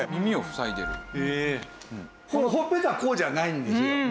ほっぺたをこうじゃないんですよ。